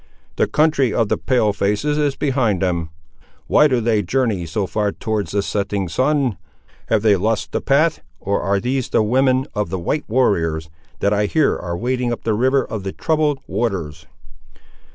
"The country of the Pale faces is behind them. Why do they journey so far towards the setting sun? Have they lost the path, or are these the women of the white warriors, that I hear are wading up the river of 'the troubled waters?